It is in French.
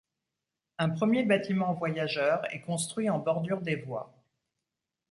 Un premier bâtiment voyageurs est construit en bordure des voies.